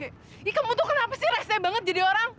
eh kamu juga denger ya